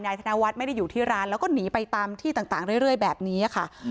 ธนวัฒน์ไม่ได้อยู่ที่ร้านแล้วก็หนีไปตามที่ต่างเรื่อยแบบนี้ค่ะ